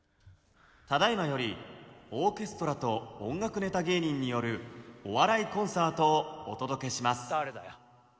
「ただいまよりオーケストラと音楽ネタ芸人によるお笑いコンサートをお届けします」。